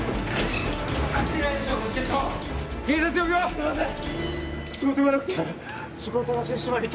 すみません！